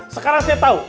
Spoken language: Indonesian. sekarang saya tahu